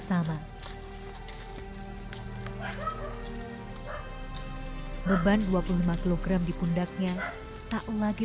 hai beban dua puluh lima kg di kundaknya tak lagi